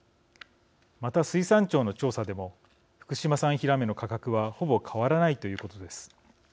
また水産庁の調査でも福島産ヒラメの価格はほぼ変わらないということです。